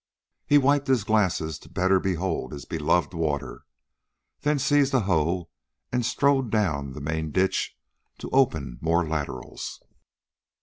He wiped his glasses the better to behold his beloved water, then seized a hoe and strode down the main ditch to open more laterals.